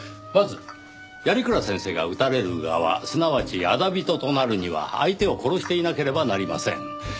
まず鑓鞍先生が討たれる側すなわち仇人となるには相手を殺していなければなりません。